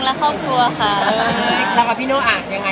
พี่สนาวหัวใจละว่าเป็นยังยังยังไง